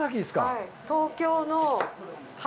はい。